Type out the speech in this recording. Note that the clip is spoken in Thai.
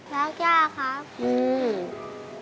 รักย่าครับ